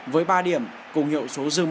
với ba điểm cùng hiệu số dư một